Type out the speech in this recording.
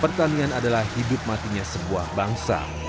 pertanian adalah hidup matinya sebuah bangsa